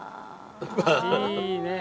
いいね！